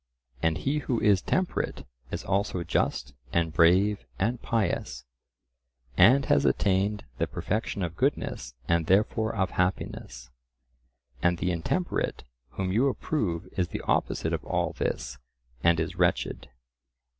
And he who is temperate is also just and brave and pious, and has attained the perfection of goodness and therefore of happiness, and the intemperate whom you approve is the opposite of all this and is wretched.